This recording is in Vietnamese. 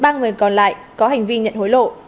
ba người còn lại có hành vi nhận hối lộ